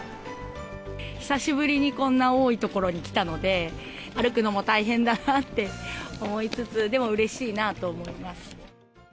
久しぶりにこんな多い所に来たので、歩くのも大変だなって思いつつ、でもうれしいなと思います。